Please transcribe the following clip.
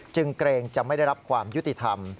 เกรงจะไม่ได้รับความยุติธรรม